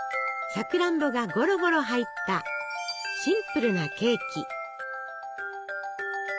さくらんぼがゴロゴロ入ったシンプルなケーキ。